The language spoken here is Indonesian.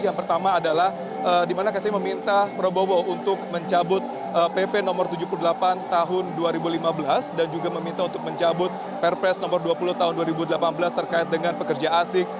yang pertama adalah di mana saya meminta prabowo untuk mencabut pp no tujuh puluh delapan tahun dua ribu lima belas dan juga meminta untuk mencabut perpres nomor dua puluh tahun dua ribu delapan belas terkait dengan pekerja asing